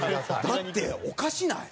だっておかしない？